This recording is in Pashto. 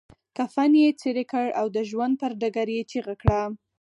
کفن يې څيري کړ او د ژوند پر ډګر يې چيغه کړه.